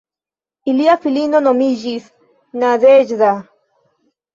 Ilia filino nomiĝis "Nadeĵda".